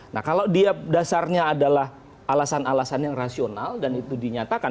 nah kalau dia dasarnya adalah alasan alasan yang rasional dan itu dinyatakan